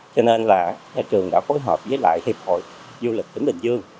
cho nên là nhà trường đã phối hợp với lại hiệp hội du lịch tỉnh bình dương